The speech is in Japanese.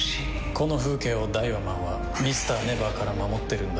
この風景をダイワマンはＭｒ．ＮＥＶＥＲから守ってるんだ。